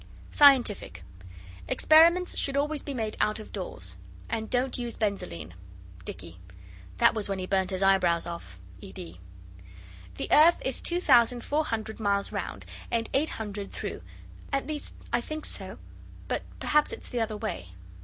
SCIENTIFIC Experiments should always be made out of doors. And don't use benzoline. DICKY. (That was when he burnt his eyebrows off. ED.) The earth is 2,400 miles round, and 800 through at least I think so, but perhaps it's the other way.